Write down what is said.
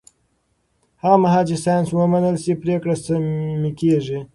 هغه مهال چې ساینس ومنل شي، پرېکړې سمې کېږي.